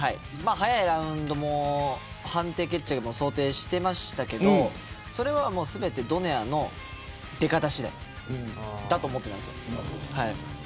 早いラウンドも判定決着も想定していましたがそれは全てドネアの出方しだいだと思っていました。